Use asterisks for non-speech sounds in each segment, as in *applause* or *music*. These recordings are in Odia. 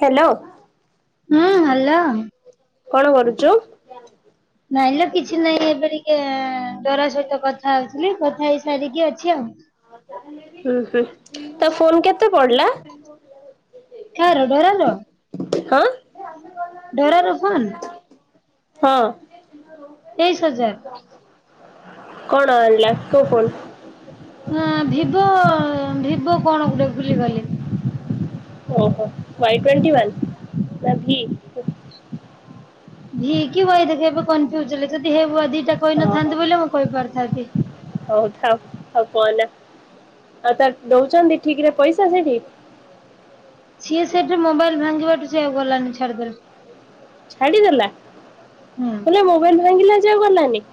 ହ୍ୟାଲୋ। ହୁଁ ହାଲୋ। କଣ କରୁଚୁ? ନାଇଁଲୋ କିଛି ନାହିଁ ଏବେ ଟିକେ ତୋରା ସହିତ କଥା ହଉଥିଲି କଥା ହେଇ ସାରିକି ଅଛି ଆଉ। ହୁଁ ହୁଁ ତା ଫୋନ କେତେ ପଡିଲା। କାହାର ଡରା ର।? ହଁ। ଡରା ରଫନ୍। ହଁ। ତେଇଶି ହଜାର। କଣ ଆଣିଲା କୋଉ ଫୋନ? ହଁ ଭିଭୋ ଭିଭୋ କଣ ଗୋଟେ ଭୁଲିଗଲି। ଓହୋ ୱାଇ ଟ୍ୱଣ୍ଟିୱାନ ନା ଭି? ଭି କି ୱେଇ ଦେଖ ଏବେ କନଫ୍ୟୁଜ ହେଲେ ଯଦି ହେବୁଆ ଦିଟା ଓହୋ କହିନଥାନ୍ତି ବୋଇଲେ ମୁଁ କହିପାରିଥାନ୍ତି। ହଉ ଥାଉ। ଆଉ କହନା, ଆଉ ତା ଦଉଚନ୍ତି ଠିକ୍ ରେ ପଇସା ସେଠି? ସିଏ ସେଇଠି ମୋବାଇଲ ଭାଙ୍ଗିବାଠୁ ସେ ଆଉ ଗଲାନି ଛାଡିଦେଲା। ଛାଡିଦେଲା ହୁଁ। ହେଲେ ମୋବାଇଲ୍ ଭାଙ୍ଗିଲା ଯେ ଆଉ ଗଲାନି।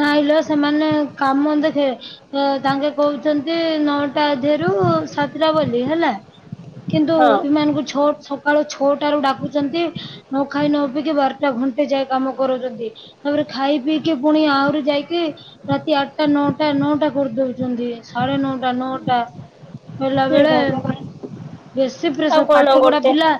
ନାଇଁଲୋ ସେମାନେ କାମ ଦେଖେ ତାଙ୍କେ କହୁଛନ୍ତି ନଅଟା ଧିଏରୁ ସାତଟା ବୋଲି ହେଲା। କିନ୍ତୁ ହଁ ଏମାନଙ୍କୁ ଛ ସକାଳ ଛଅଟା ରୁ ଡାକୁଚନ୍ତି। ନ ଖାଇ ନ ପିଇକି ବାରଟା ଘଣ୍ଟେ ଯାଏ କାମ କରାଉଚନ୍ତି, ତାପରେ ଖାଇ ପିଇକି ପୁଣି ଆହୁରି ଯାଇକି ରାତି ଆଠଟା ନଅଟା-ନଅଟା କରିଦଚନ୍ତି ସାଢେ ନଅଟା-ନଅଟା। ଶୋଇଲା ହେ ବେଳେ ଭଗବାନ ବେଶୀ ଆଉ ପ୍ରେସର୍ କଣ ପାଠପଢା ଗୋଟେ ପିଲା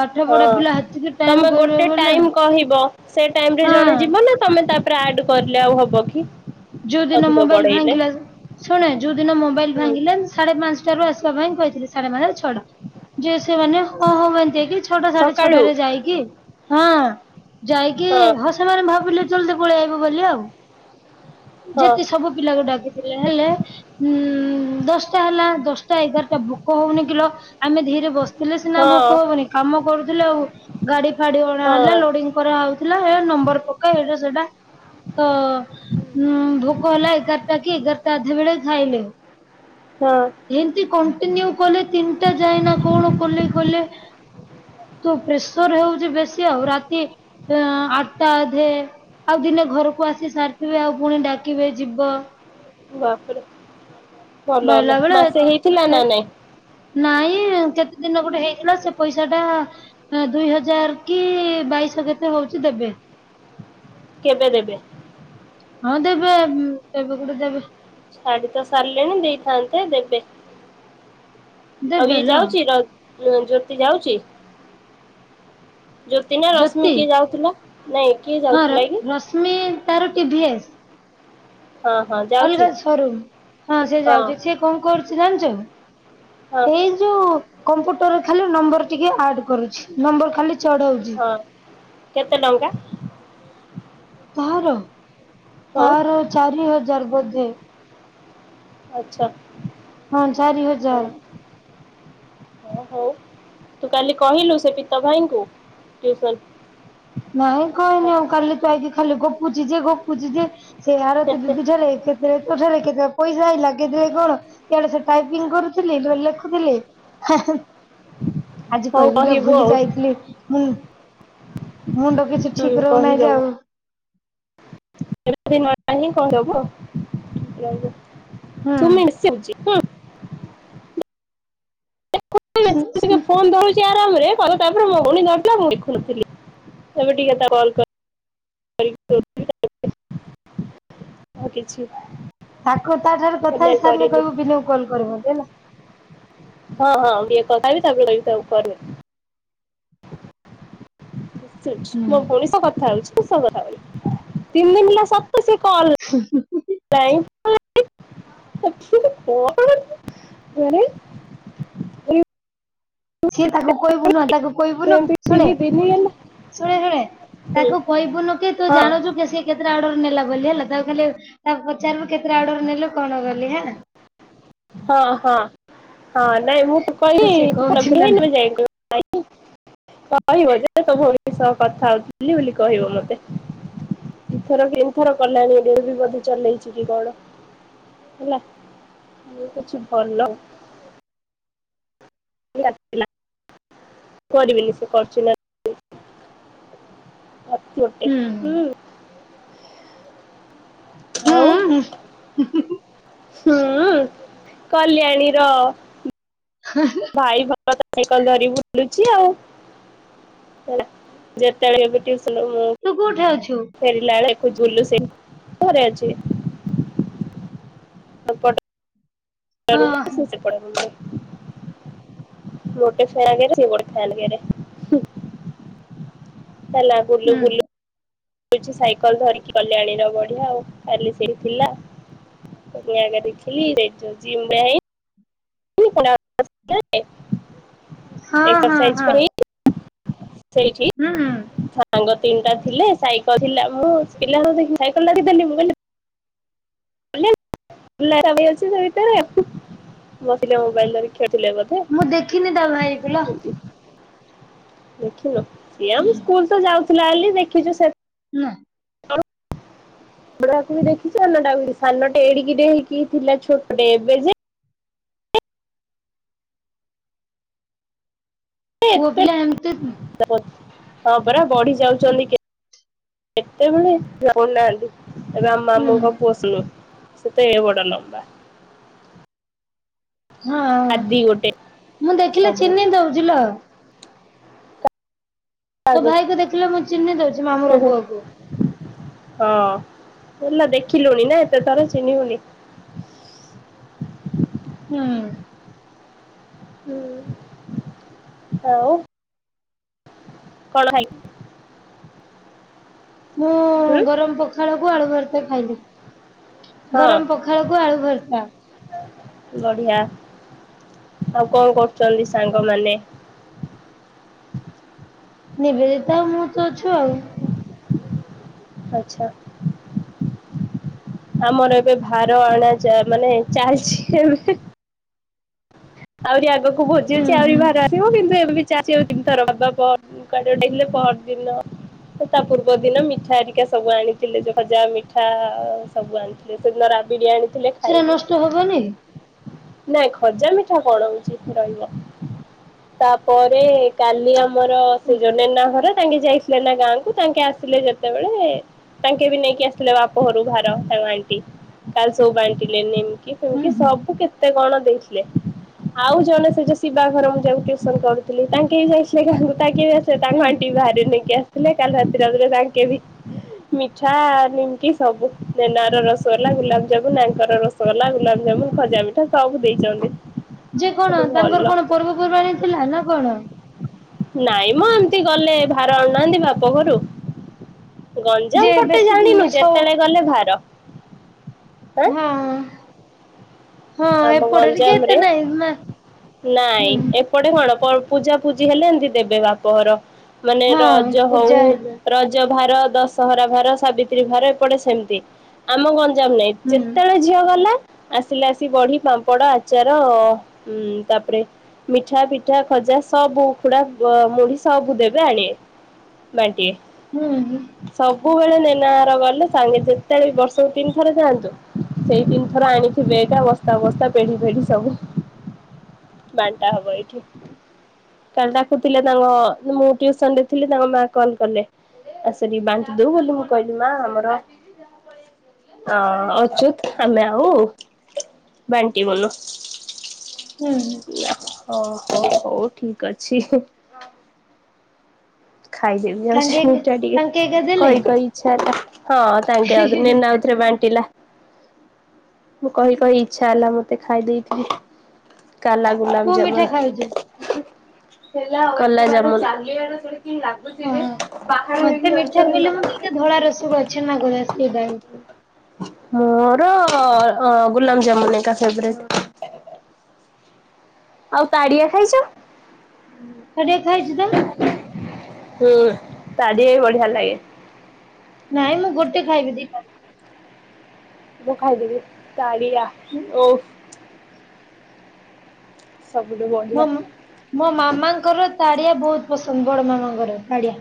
ପାଠ ହଁ ପଢା ପିଲା ହେତିକି ଟାଇମ ତମେ କରିବେ ଗୋଟେ ବୋଲେ ଟାଇମ୍ କହିବ ସେ ଟାଇମରେ ହଁ ଜଣେ ଯିବ ନା ତମେ ତାପରେ ଆଡ୍ କରଲେ ଆଉ ହବ କି। ଯୋଉଦିନ ଅଧିକ ମୋବାଇଲ୍ ବଢେଇଲେ ଭାଙ୍ଗିଲା ଶୁଣେ ଯୋଉ ଦିନ ମୋବାଇଲ୍ ହୁଁ ଭାଙ୍ଗିଲା ସାଢେ ପାଞ୍ଚଟାରୁ ଆସିବା ପାଇଁ କହିଥିଲେ ସାଢେ ପାଞ୍ଚରେ ଛଅଟା। ଯେ ସେମାନେ ହଁ-ହଁ ମ ଦେ କି ଛଅଟା ସାଢେ ସକାଳୁ ଛଅଟା ରେ ଯାଇକି ହଁ ଯାଇକି ହଁ ହସ୍ ସେମାନେ ଭାବିଲେ ଜଲଦି ପଳେଇ ଆଇବ ବୋଲି ଆଉ। ହଁ ଯେତେସବୁ ପିଲାକୁ ଡାକିଥିଲେ ହେଲେ ଉଁ ଦଶଟା ହେଲା ଦଶଟା ଏଗାରଟା ଭୋକ ହଉନି କିଲୋ ଆମେ ଧି ରେ ବସିଥିଲେ ସିନା ହଁ ଭୋକ ହବନି, କାମ କରୁଥିଲେ ଆଉ ଗାଡି ଫାଡି ହଁ ଅଣାହେଲା ଲୋଡିଙ୍ଗ୍ କରାହଉଥିଲା ଏ ନମ୍ବର ପକା ଏଇଟା ସେଇଟା ତ ହୁଁ ଭୋକ ହେଲା ଏଗାରଟା କି ଏଗାରଟା ଅଧେ ବେଳେ ଖାଇଲେ। ହଁ। ଏମତି କଣ୍ଟିନ୍ୟୁ କଲେ ତିନିଟା ଯାଏ ନା କଣ କଲେ-କଲେ ତୁ ପ୍ରେସର ହେଉଚି ବେଶ ଶୀ ଆଉ ରାତି ଆଠଟା ଅଧେ ଆଉ ଦିନେ ଘରକୁ ଆସି ସାରିଥିବେ ଆଉ ପୁଣି ଡାକିବେ ଯିବ। ବାପରେ ଭଲ ବଇଲା ହେଲା, ବେଳେ ମାସେ ହେଇଥିଲା ନା ନାଇଁ? ନାଇଁ କେତେ ଦିନ ଗୋଟେ ହେଇଥିଲା ସେ ପଇସାଟା ଦୁଇ ହଜାର କି ବାଇଶ କେତେ ହଉଚି ଦେବେ। କେବେ ଦେବେ? ହଁ ଦେବେ ଏବେ ଗୋଟେ ଦେବେ। ଛାଡ଼ି ତ ସାରିଲେଣି ଦେଇଥାନ୍ତେ ଦେବେ, ଆଉ ଇଏ ଦେବେଲ ଯାଉଚି ର ଉଁ ଜ୍ୟୋତି ଯାଉଚି, ଜ୍ୟୋତି ନା ରଶ୍ମି କିଏ ଯାଉଥିଲା? ନାଇଁ। କିଏ ହଁ ଯାଉଥିଲା କି ରଶ୍ମି ତାର ଟି ଭିି ଏସ୍। ହଁ ହଁ। ଯାଉଛି। ଅଲଗା ସୋରୁମ୍ ହଁ ସେ ଯାଉଚି ସେ କଣ କରୁଚି ଜାଣିଚ ହଁ ଏଇ ଯୋଉ କମ୍ପୁଟରରେ ଖାଲି ନମ୍ବର ଟିକେ ଆଡ୍ କରୁଛି, ନମ୍ବର୍ ଖାଲି ଚଢଉଚି। ହଁ, କେତେ ଟଙ୍କା? କାହାର ହଁ ତାର ଚାରି ହଜାର୍ ବୋଧେ। ଆଚ୍ଛା। ହଁ ଚାରି ହଉ ହଜାର୍। ହଁ ହଉ ତୁ କାଲି କହିଲୁ ସେ ପିତ ଭାଇଙ୍କୁୁ ଟ୍ୟୁସନ୍ ନାଇଁ କହିନି ଆଉ କାଲି ତୁ ଆଇକି ଖାଲି ଗପୁଚି ଯେ ଗପୁଚିଯେ ସେ ଆରତୀ ଦିଦି ଠାରେ ଏକେ ଲେଖୁଥିଲି କେତେବେଳେ ପଇସା ଆଇଲା କେତେଲେ କଣ ୟାଡେ ଟାଇପିଂ କରୁଥିଲି ଧରି ଲେଖୁଥିଲି ଆଜି ହଉ କହିବି ଲୋ କହିବୁ ଭୁଲି ଆଉ ଯାଇଥିଲି ମୁଁ। ମୁଣ୍ଡ କିଛି ହୁଁ ଠିକ୍ ରହୁନାହିଁ ଯେ କହିଦବୁ ଆଉ। *unintelligible* ସୁମି ବେଶୀ ହୁଁ ହେଉଛି ହୁଁ। *unintelligible* ସେ ଆରାମରେ ମତେ ତାପରେ ମୋ ଭଉଣୀ କରିଥିଲା ମୁଁ ଦେଖୁଥିଲି ଏବେ ଟିକେ ତା କମ୍ କର୍ *inaudible* କିଛି ନାଇଁ। ତାକୁ ତା ଠାରୁ କଥା ହେଇ ସାରିଲେ କହିବୁ ବିନୁକୁ କଲ୍ କରିବ ବୋଲି ହେଲା। ହଁ ହଁ ବି କଥା ବି ତା ପରେ ତାକୁ କହିବି କରେ। ହୁଁ। ମୋ ଭଉଣୀ ସହ କଥା ହେଉଛି *unintelligible* *unintelligible* ଟାଇମ୍ ତ ନାଇ *unintelligible* ଘରେ। ସିଏ ତାକୁ କହିବୁ ନହଁ ତାକୁ କହିବୁନୁ ଶୁଣେ ତିନି ଦିନ ହେଲା ଶୁଣେ ଶୁଣ ତାକୁ କହିବୁନୁ କି ତୁ ହଁ ଜାୁଣୁଛୁ କେ ସେ କେତେଟା ଅଡର ନେଲା ବୋଲି ହେଲା। ତାକୁ ଖାଲି ତାକୁ ପଚାରିବୁ କେତେଟା ଅଡ଼ର ନେଲୁ କଣ କଲି ହେଲା। ହଁ ହଁ ହଁ ନାଇଁ ମୁଁ ସିଏ କହୁଛି ନା ନାଇଁ। ତ *unintelligible* *inaudible* କହିବ ଯେ ତ *inaudible* ଭଉଣୀ ସହ କଥା ହଉଥିଲି ବୋଲି କହିବ ମତେ। ଇଥର ତିନିଥର କଲାଣି ଏବେ ବି ବୋଧେ ଚଲେଇଛି କି କଣ ହେଲା। ଆଉ କିଛି ଭଲ *inaudible* କରିବିନି ସେ କରୁଚୁ ନା ନାଇ ଅତି ଗୋଟେ ହୁଁ ହୁଁ ଆଉ ହୁଁ ହୁଁ କଲ୍ୟାଣୀ ର ହଁ ଭାଇ ଭଲ ତାର ସାଇକଲ ଧରି ବୁଲୁଛି ଆଉ। ଯେତେବେଳେ ବି ଟିଉସନ ମୁଁ ତୁ କୋଠେ ଅଛୁ? ଫେରିଲା ବେଳେ ଝୁଲୁ ସେଇ ଘରେ ଅଛି। ହଁ *inaudible* ସେ ପଢ଼ାପଢ଼ି *unintelligible* ମୋଟେ ଫେଗରେ ସେବଡ ଫାଇଗରେ ତାଲା ଗୁଲୁ ହୁଁ ଗୁଲୁ ସାଇକେଲ ଧରିକି କଲ୍ୟାଣୀର ବଢିଆ ଆଉ କାଲି ସେଇଥିଲା ତ ଆଗ ଦେଖିଲି ଯାଇଛ ଜିମ ନାଇ *unintelligible* ହଁ ହଁ ଏକ୍ସରସାଇଜ ହଁ କରି *inaudible* ସେଇଠି ହୁଁ ସାଙ୍ଗ ତିନିଟା ଥିଲେ, ସାଇକେଲ ଥିଲା ମୁଁ ପିଲାଙ୍କୁ ଦେଖି ସାଇକେଲ ଡାକିଦେଲି, ମୁଁ କହିନି *unintelligible* *inaudible* ଅଛି ସେ ଭିତରେ ବସିଲେ ମୋବାଇଲରେ ଖେଳଥିଲେ ବ ମୁଁ ଦେଖିନି ତା ଭାଇ କୁ ଲ ଦେଖିଲୁ, ଏଇ ଆମ ସ୍କୁଲ ତ ଯାଉଥିଲା ବୋଲି ଦେଖିଛୁ ସେ ହଁ ସେଡାକୁ ବି ଦେଖି ସାନଟାକୁ ସାନଟେ ଏଡିକି ହେଇକି ଥିଲା ଛୋଟେ ଏବେ ଯେ ଯେ ପୁଅ ଏତେ ପିଲା ଏମିତି ହଁ ପରା ବଢି ଯାଉଛନ୍ତି କେତେବେଳେ ଯଣାପଡୁନାହାନ୍ତି। ଏବେ ଆମ ମାମୁଙ୍କ ପୁଅ ସୋନୁ ସେତେ ଇଏ ବଡ଼ ନ ପା ହଁ ଗୋଟେ ମୁଁ ଦେଖିଲି ସବୁ ଚିନି ଦଉଛି ଲୋ ତୋ ଆଗୁ ଭାଇକୁ ଦେଖିଲେ ମୁ ଚିହ୍ନି ଦଉଛି ମାମୁଁର ପୁଅକୁ ହଁ ହେଲା ଦେଖିଲୁଣି ନା ଏତେ ଥର ଚିହ୍ନି ହଉନି। ହୁଁ ହୁଁ ଆଉ କଣ ହେ ମୁଁ ହୁଁ ଗରମ ପଖାଳକୁ ଆଳୁ ଭରତେ ଖାଇଲି। ହଁ ଗରମ ପଖାଳ କୁ ଆଳୁ ଭରତା ବଢିଆ ଆଉ କଣ କରୁଛନ୍ତି ସାଙ୍ଗମାନେ? ନିବେଦିତା ଆଉ ମୁଁ ତ ଅଛୁ ଆଉ। ଆଚ୍ଛା ଆମର ଏବେ ଭାର ଅଣା ଚା ମାନେ ଚାଲିଛି ଏମିତି। ଆହୁରି ଆଗକୁ ହୁଁ ଭୋଜିଅଛି ଆହୁରି ହୁଁ। ଭାର କିୟୁଁ କିନ୍ତୁ ଏବେ ବି ଚାଷିଉଥର ବାବା ପହରିଦିନ ଯାଇଥିଲେ ପହରଦିନ। ତା ପୂର୍ବ ଦିନ ମିଠା ହେରିକା ସବୁ ଆଣିଥିଲେ ଖଜା ମିଠା। ସବୁ ଆଣିଥିଲେ ସେଦିନ ରାବିଡି ଆଣିଥିଲେ ସେରା ଖାଇଲି ନଷ୍ଟ ହବନି? ନାଇଁ ଖଜାମି ମୋ ବଡ଼ବୋଉ ଏଠି ରହିବ। ତାପରେ କାଲି ଆମର ହୁଁ ସେ ଯୋଉ ନେନା ଘର ତାଙ୍କେ ଯାଇଥିଲେ‌ ନେନା ଗାଁ କୁ ତାଙ୍କେ ଆସିଲେ ଯେ ସେତେବେଳେ ତାଙ୍କେ ବି ନେଇକି ଆସିଥିଲେ ବାପ ଘରୁ ଭାର ତାଙ୍କ ଆଣ୍ଟି। କାଲି ସବୁ ବାଣ୍ଟିଲେ ନିମିକି ଫିମିକି ହୁଁ। ସବୁ କେତେ କଣ ଦେଇଥିଲେ। ଆଉ ଜଣେ ସେ ଯୋଉ ଶିବା ଘର ମୁଁ ଯାହାକୁ ଟ୍ୟୁସନ କରୁଥିଲି ତାଙ୍କେ ବି ଯାଇଥିଲେ ଗାଁକୁ ତାଙ୍କେ ବି ସେ ତାଙ୍କ ହଁ ଆଣ୍ଟିି ବି ଭାର ନେଇକି ଆସିଥିଲେ କାଲି ରାତିରେ ତାଙ୍କେ ବି ମିଠା ନିମିକି ସବୁ ନେନା ଘର ରସଗୋଲା ଗୁଲାବଜାମୁନ ଆଙ୍କର ରସଗୋ ରସଗୋଲା ଗୁଲାପଜାମୁନ ଖଜା ମିଠା ସବୁ ଦେଇଛନ୍ତି। ଯେ କଣ କିନ୍ତୁ ତାଙ୍କର ଭଲ କଣ ପର୍ବପର୍ବାଣୀ ଥିଲା ନା କଣ? ନାଇଁ ମ ଏମିତି ଗଲେ ଭାର ଆଣୁନାହାନ୍ତି ବାପ ଘରୁ। ଯେ ଗଞ୍ଜାମ ପଟେ ବେଶୀ ଜାଣିନୁ ସ ହଁ ଯେତେବେଳେ ଗଲେ ଭାର। ଆଁ ହଁ। ହଁ ଆମ ଏପଟରେ ଟିକେ ଏତେ ଗଞ୍ଜାମରେ ନାହିଁ ନା ନାଇଁ ହୁଁ। ଏପଟେ କଣ ପୂଜା ପୂଜି ହେଲେ ଏମିତି ଦେବେ ବାପଘର। ମାନେ ହଁ ରଜ ହୋଉ ପୂଜା ହେଲେ ରଜ ଭାର ଦଶ ଦଶହରା ଭାର ସାବିତ୍ରୀ ଭାର ଏପଟେ ସେମିତି ଆମ ଗଞ୍ଜାମ ନାଇଁ ହୁଁ। ଯେତେବେଳେ ଝିଅ ଗଲା ଆସିଲା ଆସିିକି ବଢି, ପାମ୍ପଡ, ଆଚାର, ତାପରେ ମିଠା, ପିଠା, ଖଜା ସବୁ ଉଖୁଡା ମୁଢି ସବୁ ଦେବେ ଆଣିବେ। ବାଣ୍ଟିବେ। ହୁଁ। ସବୁବେଳେ ନେନାହର ଗଲେ ସାଙ୍ଗେ ଯେତେବେଳେ ବି ବର୍ଷକୁ ତିନି ଥର ଯାଆନ୍ତୁ। ସେଇତିନି ଥର ଆଣିଥିବେ ଏଟା ବସ୍ତା ବସ୍ତା ପେଢି ପେଢି ସବୁ। ବାଣ୍ଟା ହବ ଏଇଠି। କାଲି ଡାକୁଥିଲେ ତାଙ୍କ ମୁଁ ଟିଉସନରେ ଥିଲି ତାଙ୍କ ମା କଲ କଲେ। ଆସ ଟିକେ ବାଣ୍ଟି ଦୋବୁ ବୋଲି ମୁଁ କହିଲି ମା ଆମର ଅଁ ଅଚୁତ୍ ଆମେ ଆଉ ବାଣ୍ଟିବୁନୁ। ହୁଁ। ନାଁ ହୋଉ ହଉ ଠିକ୍ ଅଛି। ଖାଇଦେବି ଯାଉଛି ତାଙ୍କେ ମିଠା ତାଙ୍କେ ଏକା ଟିକେ ଦେଲେ? କହି କହି ଇଛା ହେଲା। ହଁ ତାଙ୍କେ ହି ହି ଆଉ ହି। ନେନା ବାଣ୍ଟିିଲା। ମୁଁ କହି କହି ଇଛା ହେଲା ମତେ ଖାଇ ଦେଇଥିବି କାଲା ଗୁଲାମ କୋଉ ମିଠା ଯାମୁନୁ ଖାଉଛୁ? କଲା ଯାମୁନୁ। କିନ୍ତି ଲାଗୁଛି ଯେ ପାହାଡ ହେଇକି ରହିଛି ସେ ଧଳା ରସଗୋଲା ଛେନାକହୁଚି ସେଇଟାକୁ। ମୋର ଗୁଲାବ୍ ଜାମୁନ୍ ଏକା ଫେବ୍ରେଟ୍। ଆଉ ତାଡିଆ ଖାଇଚ? ତାଡିଆ ଖାଇଚି ତ। ହୁଁ ତାଡିଆ ବି ବଢିଆ ଲାଗେ। ନାଇଁ ମୁଁ ଗୋଟେ ଖାଇବି ଦିଟା ମୁଁ ଖାଇଦେବି ତାଡିଆ, ଓଃ। ସବୁଠୁ ମୋ ବଢ଼ିଆ। ମୋ ମାମାଙ୍କର ତାଡିଆ ବହୁତ୍ ପସନ୍ଦ, ବଡ ମାମାଙ୍କର ତାଡିଆ।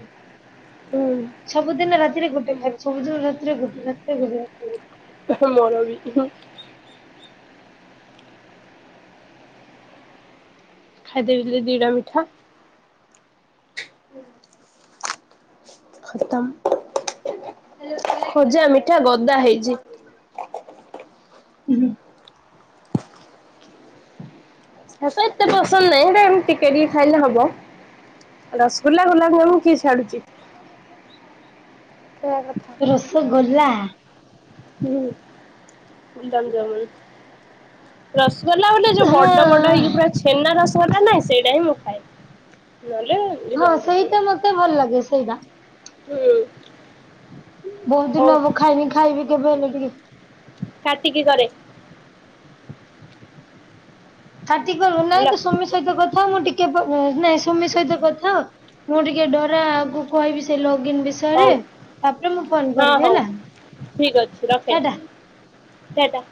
ହୁଁ ସବୁଦିନ ରାତିରେ ଗୋଟେ ଖାଇବି। ସବୁଦିନ ରାତିରେ ଗୋଟେ- ରାତିରେ ଗୋଟେ। ମୋର ବି ଖାଇଦେବି ହେଥିରୁ ଦି ଟା ମିଠା। ହୁଁ। ଖତମ୍ ଖଜା, ମିଠା ଗଦା ହେଇଚି। ଉଁ- ହୁଁ। ମତେ ଏତେ ପସନ୍ଦ୍ ନାଇ, ହେଲେ ଏବେ ଟିକେ ଟିକେ ଖାଇଲେ ହବ। ରସ୍ ଗୁଲା, ଗୋଲାବ୍ ଜାମୁନ୍ କିଏ ଛାଡୁଚି। ସେୟା କଥା। ସେ ଗୋଲା ହୁଁ, ଗୁଲାବ୍ ଜାମୁନ୍। ରସ୍ ଗୋଲା ବଲେ ଯଉ ହଁ ବଡ ବଡ ହେଇକି ପୁରା ଛେନା ରସ୍ ଛେନା ନାହିଁ, ସେଇଟା ହିଁ ମୁଁ ଖାଏ। ନହେଲେ ହଁ ଗୁଲାପ ଜାମୁନ ସେଇଟା ମତେ ଭଲ ଲାଗେ ସେଇଟା। ହୁଁ। ବହୁତ୍ ଦିନ ହଉ ହବ ଖାଇନି, ଖାଇବି କେବେ ହେଲେ ଟିକେ। କାଟି କି କରେ। କାଟିକି କରିବୁ, ନାଇଁ ହେଲା ତୁ ସୁମି ସହିତ କଥା ହ। ମୁଁ ଟିକେ ପ ନେ ସୁମି ସହିତ କଥା ହ। ମୁଁ ଟିକେ ଡୋରା କୁ କହିବି ସେ ଲଗଇନ୍ ବିଷ୍ ରେ ହଉ ତାପରେ ମୁଁ ଫୋନ୍ ହଁ କରିବି ହଉ ହେଲା। ଠିକ୍ ଅଛି ରଖେ ଟା-ଟା। ଟା-ଟା।